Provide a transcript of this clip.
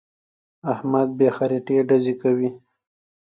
احمد بې خريطې ډزې کوي.